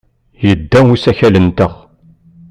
Yedda usakal-nteɣ.